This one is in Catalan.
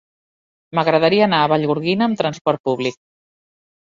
M'agradaria anar a Vallgorguina amb trasport públic.